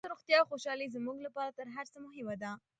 ستاسو روغتیا او خوشحالي زموږ لپاره تر هر څه مهمه ده.